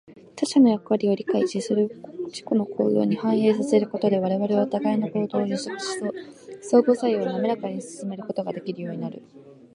他者の役割を理解し、それを自己の行動に反映させることで、我々はお互いの行動を予測し、相互作用をなめらかに進めることができるようになる。